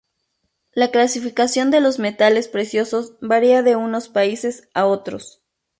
La clasificación de los metales preciosos varía de unos países a otros.